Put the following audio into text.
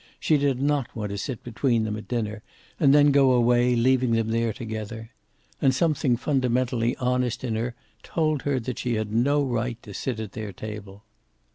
She did not want to sit between them at dinner, and then go away, leaving them there together. And something fundamentally honest in her told her that she had no right to sit at their table.